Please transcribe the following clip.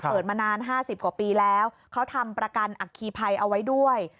มานาน๕๐กว่าปีแล้วเขาทำประกันอัคคีภัยเอาไว้ด้วย